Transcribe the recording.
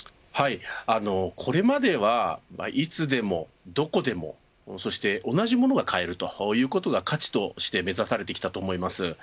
これまではいつでもどこでもそして同じものが買えるということが価値として目指されてきたと思います。